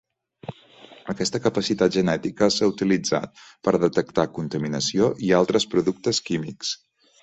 Aquesta capacitat genètica s'ha utilitzat per detectar contaminació i altres productes químics.